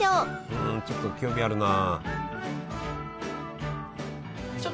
うんちょっと興味あるな。